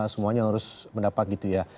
semuanya harus mendapat gitu ya